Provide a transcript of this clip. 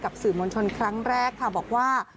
สื่อมวลชนครั้งแรกค่ะบอกว่า